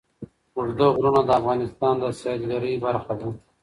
اوږده غرونه د افغانستان د سیلګرۍ برخه ده.